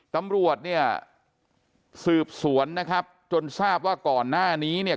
ตำรวจเนี่ยสืบสวนนะครับจนทราบว่าก่อนหน้านี้เนี่ย